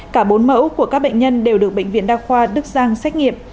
cả bốn mẫu của các bệnh nhân đều được bệnh viện đa khoa đức giang xét nghiệm